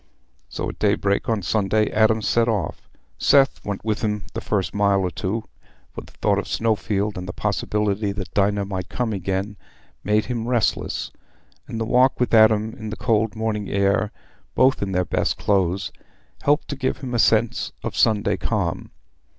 So at daybreak, on Sunday, Adam set off. Seth went with him the first mile or two, for the thought of Snowfield and the possibility that Dinah might come again made him restless, and the walk with Adam in the cold morning air, both in their best clothes, helped to give him a sense of Sunday calm.